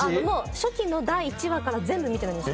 初期の第１話から全部見てるんですよ。